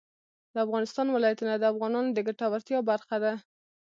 د افغانستان ولايتونه د افغانانو د ګټورتیا برخه ده.